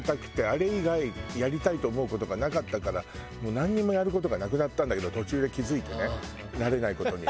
あれ以外やりたいと思う事がなかったからなんにもやる事がなくなったんだけど途中で気付いてねなれない事に。